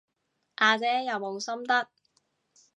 阿姐有冇心得？